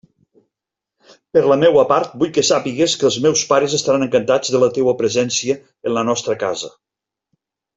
Per la meua part vull que sàpigues que els meus pares estaran encantats de la teua presència en la nostra casa.